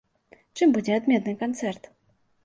Чым будзе адметны канцэрт?